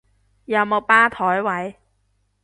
有冇吧枱位？